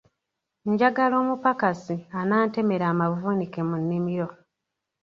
Njagala omupakasi anaantemera amavunike mu nnimiro.